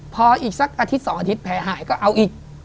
พออีกสักอาทิตย์๒อาทิตย์แผลหายก็เอาอีก